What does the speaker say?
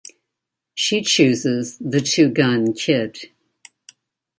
She chooses the Two-Gun Kid.